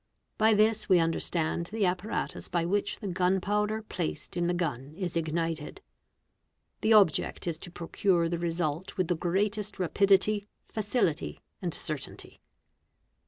By this we understand the apparatus by which the gun powder placed in the gun is ignited. The object is to procure a the result with the greatest rapidity, facility, and certainty.